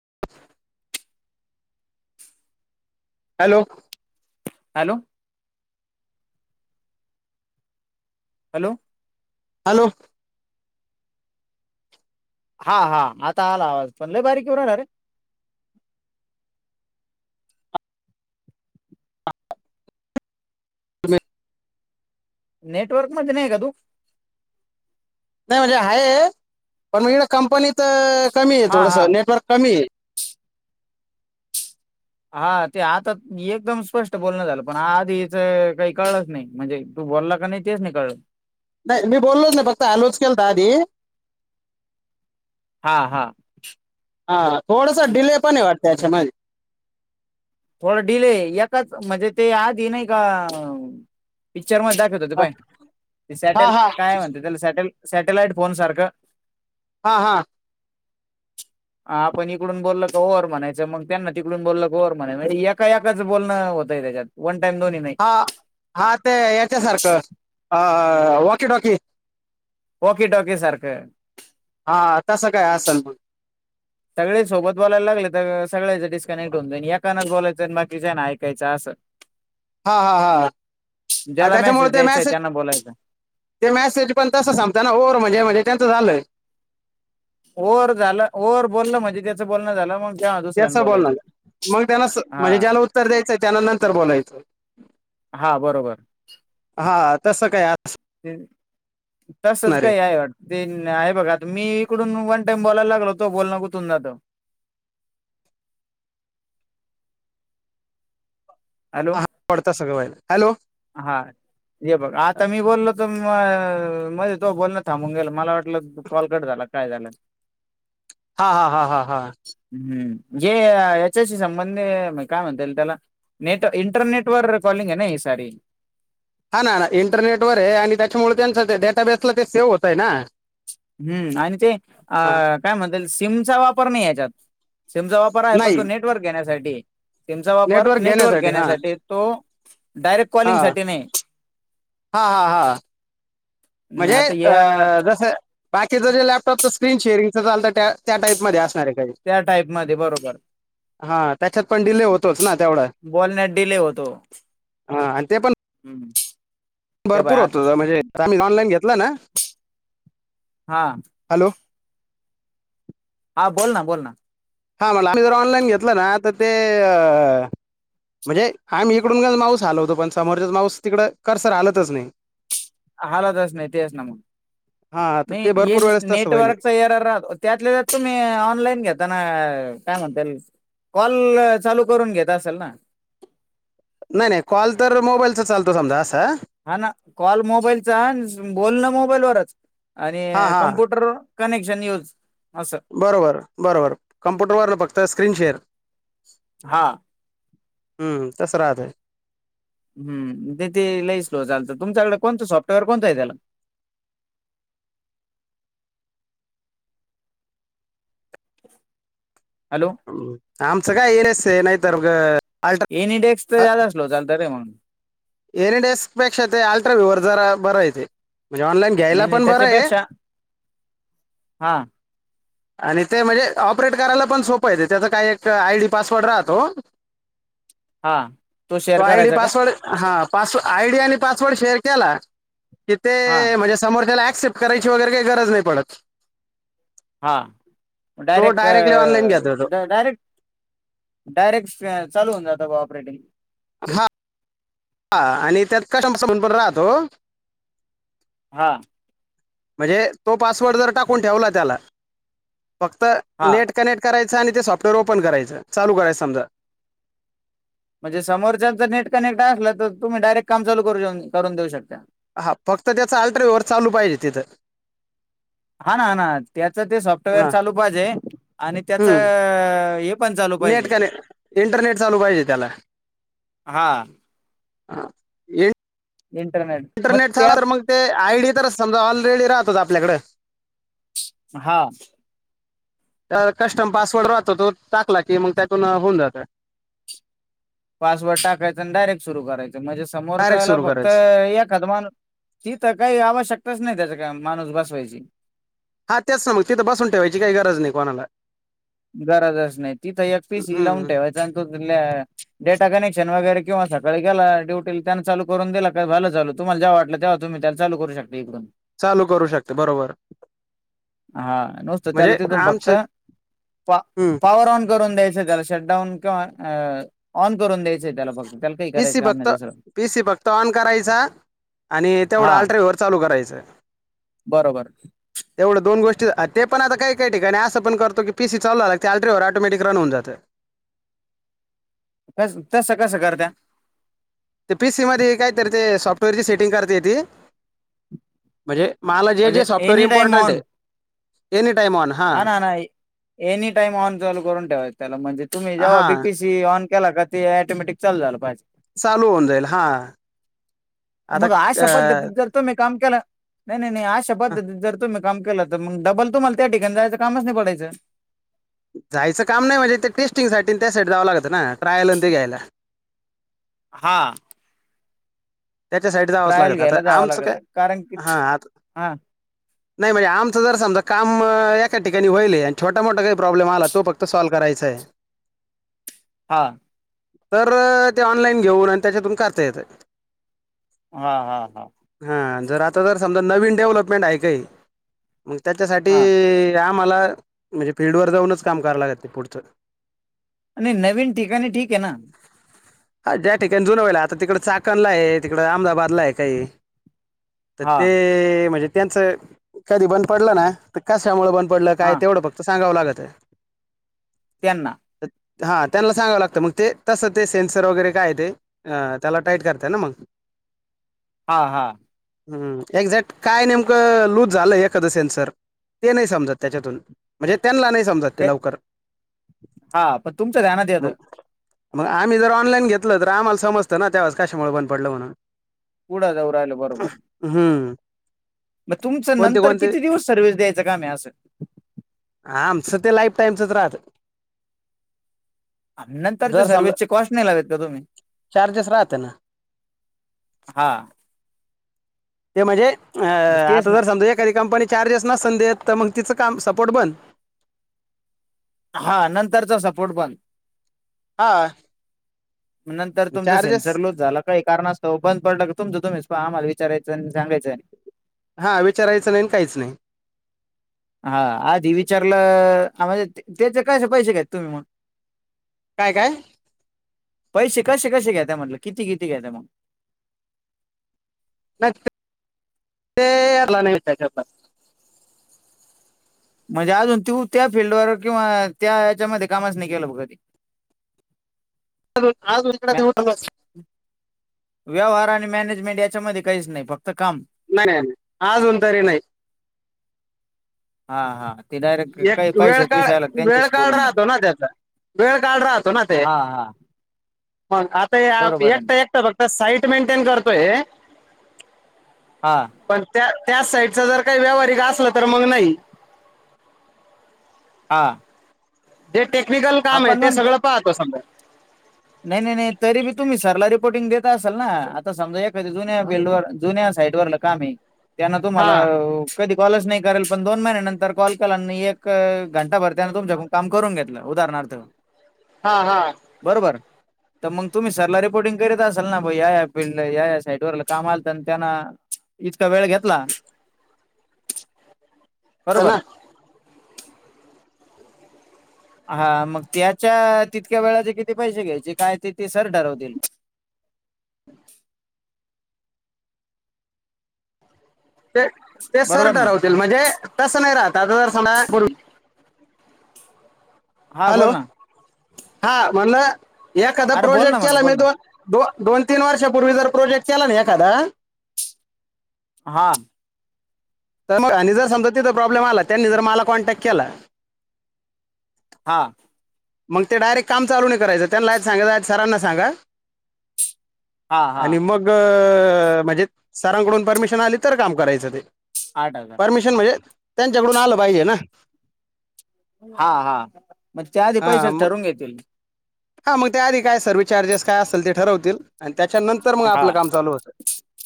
[unintelligible] Hello hello hello hello हा हा आता आला आवाज पंधल्या बारीखवरणार रे नेटवर्क मच नाहीय का तू म्हण आहे पण कंपनी कमी आहे हा हा थडसं नेटवर्क कमी आहे. हा ते आता एकदम स्पष्ट बोलणं झालं पण आधीच काही कळलंच नाही म्हणजे तू बोलला का नाही तेच नाही कळलं. नाही मी बोललोच नाही फक्त हॅलो केल द आधी.. हा हा हा थोडस डिले पण वाटत याच्या मधी.. थोड डिले याकाच म्हणजे ते आधी नाही का पिक्चर मध्ये दाखवत होते प ते हा सॅटेल हा कायय म्हणते त्याला सॅटेल... सॅटेलाईट फोन सारखं.. हा हा हा आपण इकडून बोललं क ओव्हवर म्हणायचं मग त्यांना तिकडून बोललं क ओव्हर... एच बत त्याच्या.. हा हा ते याच्या सारखं अ.. ह वॉकी टॉकी ओकेट ओके सारखं हा तसं काय असेल म.. सगळे सोबत बोलायला लागले तर.. सगच डस्कनेक्ट हो एकानाच बोलायचं बाकीच्या ना ऐकायचं असं.. हा.. ह.. हा.. ज्याला त्याच्यामुळे मेसेज ते द्यायचाय मॅसेज त्यांना बोलायचा. ते मॅसेज पण तस सांगत ना ओर म्हणजे म्हणजे त्यांचं झालंय.. ओव्हर झालं ओव्हर बोललं म्हणजे त्याचं बोलणं झालं मग.. तेव्हा ते असं दुसऱ्यान त्या बोलणार बोलायचं. मग त्यांना म्हणजे हा ज्यांना उत्तर द्यायचं त्याना नंतर बोलायचं हा बरोबर हा. तसं काय असं हम् तसच काही आहे वाट ते आहे बघा.. मी इकडून वन टाइम बोलायला लागलो तो बोलणं कुठून जात. हा, हॅलो! हा पडता सगळं व्हायलं हा हे बघ आता मी बोललो त [unintelligible] मध्ये तो बोलणं थांबून गेल मला वाटलं कॉलकट झाला काय झालं? हा हा [inaudible] हा हा हा हम्म जे याच्याशी संबंध काय म्हणता येईल त्याला नेट इंटरनेट वर कॉलिंग आहे ना ही सारी हा ना ना इंटरनेटवर आहे आणि त्याच्यामुळे त्यांचं डेटाबेसला ते सेव्ह होत आहे ना हम्म आणि ते अ हा काय म्हणते सिमचा वापर नाही याच्यात सिमचा वापर आहे पण नाही तो नेटवर्क घेण्यासाठी ते सिमचा वापर नेटवर्क घेण्यासाठी तो डायरेक्ट कॉलिंग हा साठी नाही. हा हा हा न म्हणजे आता अ या जस बाकीच जे लॅपटॉपच स्क्रीन शेअरिंग [unintelligible] त्या टाईप म असणार आहे काही त्या टाईप मध्ये बरोबर हा त्याच्यात पण डिले होतोच ना तेवढा बोलण्यात डिले होतो हा आणि ते पण हम्म [inaudible] त्या बाय भरपूर आत- होतो [inaudible] म्हणजे [unintelligible] ऑनलान घे घेतला ना? हा हॅलो! ह बोल ना, बोल ना. हा मला आम्ही जर ऑनलाईन घेतलं ना तर ते म्हणजे आम्ही इकडून माऊस आलो होतो पण समोरचाच माऊस तिकड कर सर हालतच नाही. हालतच नाही तेच ना मग हा तर ते नाही भरपूर वेळेस तसं व्हायलय नेटवर्कचा एरर राहत त्यातले तुम्ही ऑनलाईन घेताना. हा काय म्हणता कॉल चालू करून घेत असाल ना नाही नाही कॉल तर मोबाईलचा चालतो समजा असं हा ना कॉल मोबाईलचा बोल ना मोबाईलवरच हां आणि हां कम्प्युटर कनेक्शन न्यूज बरोबर बरोबर कम्प्युटरवर फक्त स्क्रीनशेअर हा हम्म कसराात आहे हम् ते ते लई स्लो चालत तुमच्याकडे कोणतं सॉफ्टवेअर कोणतं आहे त्याला हॅलो ह आमचं काय येन एस नाहीतर ग अल्ट्रा एन डेक्स तर जा असलो चालत रे म्हणून एन डेस्पेक्षा ते अलट्राव्यवर जरा बरयते म्हणजे ऑनलाईन घ्यायला नाही नाही पण बरं आहे त्याच्यापेक्षा हां आणि ते म्हणजे ऑपरेट करायला पण सोपं येत त्याचं काय एक आय डी पासवर्ड राहतो हां तो शेअर आयडी करायचा का पासवर्ड हा पास आयडी आणि पास शेअर केला हां तिथे म्हणजे समोरच्यायला एक्सेप्ट करायची वगैरे काही गरज नाही पडत हा तो डायरेक्ट डायरेक्टली ऑनलाईन घेतो तो डायरेक्ट डायरेक्ट चालू होऊन जात कोऑपरेटिंग हा हा आणि त्यात [inaudible] म्हणून पण राहतो हा म्हणजे तो पासवर्ड जर टाकून ठेवला त्याला फक्त हा नेट कनेक्ट करायच छ आणि ते सॉफ्टवेअर ओपन करायचं चालू करायचं समजा म्हणजे समोरच्या जर नेट कनेक्ट असला तर तुम्ही डायरेक्ट काम चालू करून देऊ शकता हा फक्त त्याच अल्ट्रावेव्हर चालू पाहिजे तिथं हा ना हा ना त्याच ते सॉफ्टवेअर हा चालू पाहिजे. आणि त्याच हम्म हे पण चालू नेट पाहिजे.... कनेक्ट इंटरनेट चालू पाहिजे त्याला हा हा इन इंटरनेट मग इंटरनेटचा त्या तर मग ते आयडी तर समजा ऑल रेडी राहतोच आपल्याकडे हा त्या कस्टम पासवर्ड राहतो तो टाकला की मग त्यातून होऊन जात. पासवर्ड टाकायचं डायरेक्ट सुरू करायचा म्हणजे डायरेक्ट समोरच्यायला सुरू फक्त करायचं एखाद माणूस तिथं काही आवश्यकताच नाही त्याच्या माणूस बसवायची हा तेच ना मग तिथं बसून ठेवायची काही गरज नाही कोणाला गरजच नाही तिथं एक पीस ह लावून हम्म ठेवायचा आणि तो त डेटा कनेक्ट शन वगैर किंवा सकाळी गेला ड्युटीला त्यांना चालू करून दिला इकडून चालू करू शकते बरोबर हा नुसतं त्याला म्हणजे तिथून फक्त आमचे पॉवर ऑन करून द्यायच त्याला शटडाऊन किंवा ऑन करून द्यायचंय त्याला फक्त त्याला काही पीसी करायचं काम फक्त नाही दुसरं पीसी फक्त ऑन करायचा आणि तेवढं हा अल्ट्रावेवर चालू करायच बरोबर तेवढ दोन गोष्टी ते पण आता काही काही ठिका असं पण करतो की पीसी चालू झाला ते अल्ट्राव्हर ऑटोमॅटिक रन होऊन जातं कस तस कसं करत ते पी सी मध्ये काय तर ते सॉफ्टवेअरची सेटिंग करता येती म्हणजे मला जे म्हणजे जे सॉफ्टवेअर इंपॉर्टन्ट आहे [unintelligible] हां हाना हाना ए एनी टाइम ऑन चालू करून ठेवायचं त्याला म्हणजे तुम्ही जेव्हा बी हां पी सी ऑन केला का ते ऑटोमॅटिक चालु झालं पाहिजे. चालू होऊन जाईल हा. मग आशा पद्धतीत जर तुमी काम केलं नाही नाही नाही आशा पद्धतीत जर तुमी काम केलं तर मग डबल तुम्हाला त्या ठिकाणी जायचं कामच नाही पडायचं. जायचं काम नाही म्हणजे ते टेस्टिंगसाठी त्या साठी जावं लागतं ना ट्रायलं ते घ्यायला. हा त्याच्या साईड जावंच ट्रायल लागत आता घ्यायला जावं आमचं लागत काय आहे. कारण की हा आ हा नाही म्हणजे आमच जर समजा काम म.. एखाद ठिकाणी होईल हे अन् छोटा मोठा काही प्रॉब्लेम आला तो फक्त सॉल्व करायचा आहे. हा. तरं ते ऑनलाइन घेऊन अन् त्याच्यातून काढता येता. हा हा हा. जर आता जर समजा नवीन डेव्हलपमेंट आहे काही मग त्याच्यासाठी हा आप मला म्हणजे फिल्ड वर जाऊनच काम करा लागतं हे पुढचं आणि नवीन ठिकाणी ठीक हे ना अ ज्याठिकाणी जुनं व्हयलंय आता तिकडं चाकणला हे तिकडं अहमदाबादला हे काही तर हा ते म्हणजे त्यांच कधी बंद पडलं ना तर कशामुळे बंद पडलं काय हा तेवढं फक्त सांगवं लागलं [unintelligible] त्यांना हा त्यांला सांगावं लागतं मग ते तसं ते सेन्सर वगैरे काय हे ते हं... त्याला टाईट करता ना मग हा हा हं.. एक्झॅक्ट काय नेमकं लूज झालय एखादं सेनसर ते नाही समजत त्याच्यातून म्हणजे तेनला नही ते हा पण तुमचं ध्यानात मग येतं. मग आम्ही जर ऑनलाईन घेतलं तर, आम्हाला समजतं ना त्यावेळेस कशामुळे बंद पडलं म्हणून पुढं जाऊ राहिलो बरोबर हम्म मग तुमचं कोणते नंतर कोणते किती दिवस सर्विस द्यायचं काम हे असं आमचं ते लाईफ टाईमचच राहतं. नंतरच्या जर सर्व्हिस समजा ची कॉस्ट नाही लागत का तुम्ही चार्जेस राहतं ना हा ते म्हणजे अ तेच आता ना जर समजा एखादी कंपनी चार्जेस नसेन देत तर मग तीचं का सपोर्ट ब हा नंतरचा सपोर्ट पण हा ग नरुमचा चार्जेस सेन्सर लूज झाला का कारण त बंद पडलं तुमचं तुम्हीच आम्हाला विचारयचं आणि सगायचं आणि हा विचारायचं नाही काहीच नाही. हा आधी विचारलं म्हणजे त्याचे कसे पैसे का तुम्ही मण काय काय. पैसे कसे कसे घता म्हटल किती किती घता मग ते यारला नाही म्हणजे अजून तू त्या फिल््डवर किंवा त्या याच्यामध्ये कामाच नाही केलं बघी हो हा तु इकड ते उठ व्यवहार आणि मॅनेजमेंट याच्यामध्ये काहीच नाही फक्त काम नाही नाही नाही अजून तरी नाही. हा हा. ते डायरेक्ट काही एक वेळ पैशाच काळ विषय आला वेळ त्यांच्याशी काढ बोलून घ्या राहतो ना त्याचा वेळ काढ राहतो ना ते हा हा मग आता बरोबर आहे एकट ना. एकट फक्त साईट मेंटेन करतोय. हा पण त्या त्याच साईडच जर काही व्यावहारिक असलं तर मग नाही. हा. दे टेक्निकल काम आहे आपण ते मग सगळं पाहतो समजा नाही नाही नाही तरी बी तुम्ही सरला रिपोर्टिंग देता असाल ना आता समजा एखादी जुन्या बिल्डवर जुन्या साईडवरर काम आहे. त्यांना हा तुमला कधी कॉलच नाही करेल पण दोन महिन्या नंतर कॉल केला. आणि एक घंटा भरतेने तुमच्या काम करून घेतलं. उदाहरणार्थ हा हा बरोबर तर मग तुम्ही सरला रिपोर्टिंग करीत असाल ना या या फिल्ड या या साईटवर कामा आल तर त्यांना इतका वेळ घेतला. तर ना बरोबर हा मग त्याच्या तितक्या वेळाचे किती पैसे घ्यायचे काय ते ते सर ठरवतील ते ते सर बरोबर ना ठरवतील म्हणजे तसं नाही राहत आता जर सगा बोल हा बोल हॅलो ना हा म्हणलं एखादा अरे बोल ना प्रोजेक्ट म्हणलं केला मी बोल ना दोनो दोन तीन वर्षापूर्वी जर प्रोजेक्ट केला ना एखादा हा तर मग आणि जर समजा तिथं प्रॉब्लेम आला त्यांनी जर मला कॉन्टॅक्ट केला हा मग ते डायरेक्ट काम चालू नाही करायचं त्यांना सांगा सरांना सांगा हा हा आणि मग म्हणजे सरांकडून परमिशन आली इतर काम करायचं ते आठ हजार परमिशन म्हणजे त्यांच्याकडून आलं पाहिजे ना हा हा मग त्याआधी हा पैसे मग ठरवून घेतील हा मग त्या आधी काय सर्वि्हस चार्जेस काय असेल ते ठरवतील त्याच्यानंतर मग हा आपलं काम चालू होतं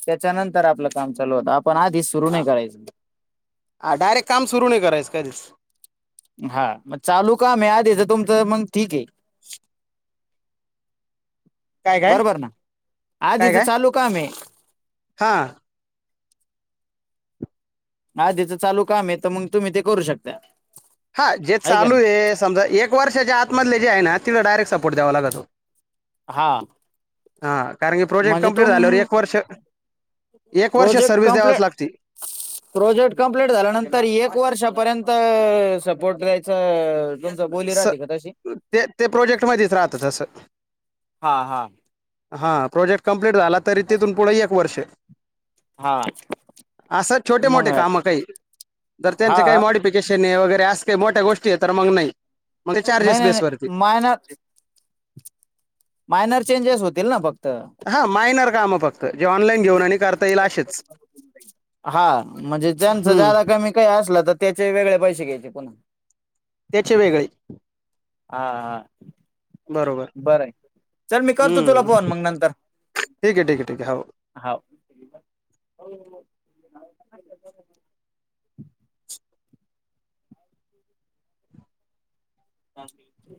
त्याच्यानंतर आपलं काम चालू होतं आपण आधी सुरु नाही करायचं ह डायरेक्ट काम सुरू नाही करायच कधीच हा मग चालू का म आधीच तुमचं मग ठीक आहे काय काय बरोबर ना आधीच चालू काम आहे हा आधचं चालू काम आहे तर मग तुम्ही ते करू शकता हा जे का चालू नाही आहे समजा एक वर्षाच्या आतमधले जे आहे ना तिला डायरेक्ट सपोर्ट्यावा लागतो हा हा कारण की प्रोजेक्ट म्हणजे कंप्लीट तुम झाल्यावर एक वर्ष एक वर्ष प्रोजेक्ट सर्व्हिस कप् द्यावाच लागती प्रोजेक्ट कंप्ट झाल्यानंतर एक वर्षापर्यंत सपोर्ट द्यायचा स ते ते प्रोजेक्ट मध्येच राहतसं हा हा हां प्रोजेक्ट छ हा मग आहे का हा काड वगैरे असज काही मोठ्या गोष्टी आहे तर मग नाही मग ते नाही चार्जेस नाही बेसवरती नाही मायन मायनर चेंजेस होतील ना फक् हा मायनर काम प हा म्हणजे ज्यांच हम्म जादा कमी काही असलं तर त्याचे वेगळे पैसे घ्यायचे पुन्हा. त्याचे वेगळे. हा हा. बरोबर बराय, चल मी करतो तुला हम्म फोन मग नंतर, ठीक आहे ठीक आहे ठीक आहे हो हाव. [inaudible] हा.